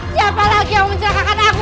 siapa lagi yang mau mencerahkan aku